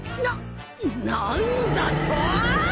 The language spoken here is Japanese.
ななんだとぉ！？